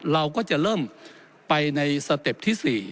เราก็จะเริ่มไปในสเต็ปที่๔